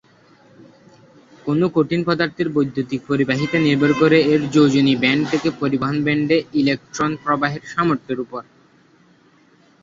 কোনো কঠিন পদার্থের বৈদ্যুতিক পরিবাহিতা নির্ভর করে এর যোজনী ব্যান্ড থেকে পরিবহন ব্যান্ডে ইলেকট্রন প্রবাহের সামর্থ্যের উপর।